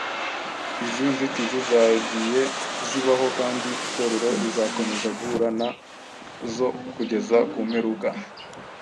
izi nzitizi zagiye zibaho kandi Itorero rizakomeza guhura na zo kugeza ku mperuka.